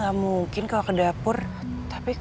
kami bisa masuk hacia bilik